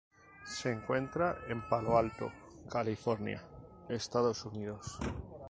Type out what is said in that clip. Se encuentra en Palo Alto, California, Estados Unidos.